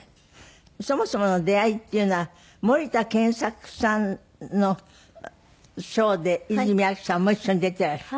そもそもの出会いっていうのは森田健作さんのショーで泉アキさんも一緒に出ていらして。